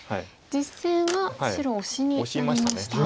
実戦は白オシになりました。